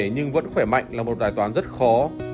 nhưng vẫn khỏe mạnh là một bài toán rất khó